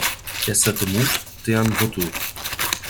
Et cette mouche tait un vautour.